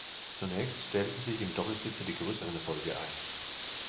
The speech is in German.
Zunächst stellten sich im Doppelsitzer die größeren Erfolge ein.